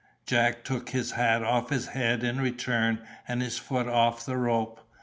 Jack took his hat off his head in return, and his foot off the rope.